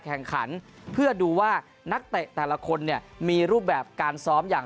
แข่งขันเพื่อดูว่านักเตะแต่ละคนเนี่ยมีรูปแบบการซ้อมอย่าง